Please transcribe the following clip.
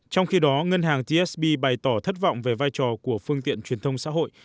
trong khi đó ngân hàng tsb bày tỏ thất vọng về vai trò của phương tiện truyền thông xã hội